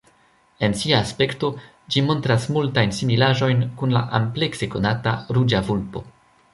En sia aspekto ĝi montras multajn similaĵojn kun la amplekse konata Ruĝa vulpo.